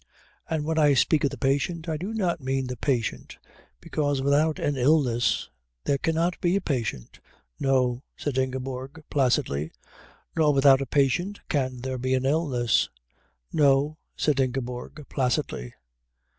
"And when I speak of the patient I do not mean the patient, because without an illness there cannot be a patient." "No," said Ingeborg, placidly. "Nor without a patient can there be an illness." "No," said Ingeborg, placidly.